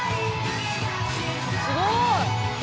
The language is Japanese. すごい！